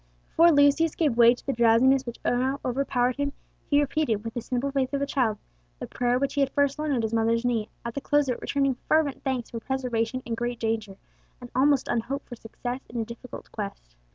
Before Lucius gave way to the drowsiness which now overpowered him, he repeated, with the simple faith of a child, the prayer which he had first learned at his mother's knee, at the close of it returning fervent thanks for preservation in great danger, and almost unhoped for success in a difficult quest.